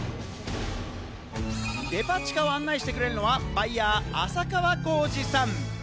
デパ地下を案内してくれるのはバイヤー・浅川幸治さん。